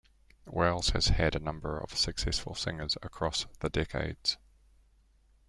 Wales has had a number of successful singers across the decades.